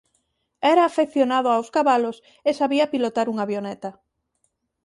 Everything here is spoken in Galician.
Era afeccionado aos cabalos e sabía pilotar unha avioneta.